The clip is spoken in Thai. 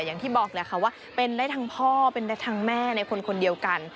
อย่างที่บอกแหละค่ะว่าเป็นได้ทั้งพ่อเป็นได้ทั้งแม่ในคนคนเดียวกัน